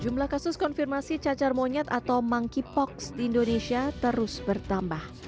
jumlah kasus konfirmasi cacar monyet atau monkeypox di indonesia terus bertambah